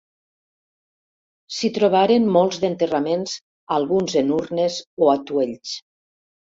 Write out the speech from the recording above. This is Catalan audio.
S'hi trobaren molts d'enterraments alguns en urnes o atuells.